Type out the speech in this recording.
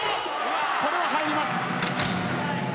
これは入ります。